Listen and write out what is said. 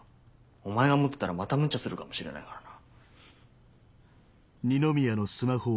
お前が持ってたらまたムチャするかもしれないからな。